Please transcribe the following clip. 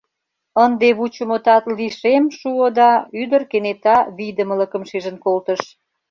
Ынде вучымо тат лишем шуо да ӱдыр кенета вийдымылыкым шижын колтыш.